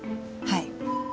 はい。